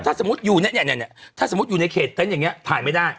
ถ่ายไม่ได้แต่ถ้าสมมติอยู่ในเขตเต้นอย่างนี้ถ่ายไม่ได้